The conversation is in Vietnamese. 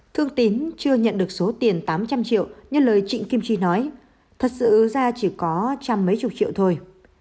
thương tín chưa nhận được số tiền tám trăm linh triệu như lời trịnh kim chi nói thật sự ra chỉ có trăm mấy chục triệu thôi